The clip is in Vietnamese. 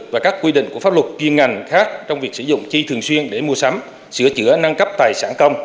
và các quy định của pháp luật chuyên ngành khác trong việc sử dụng chi thường xuyên để mua sắm sửa chữa nâng cấp tài sản công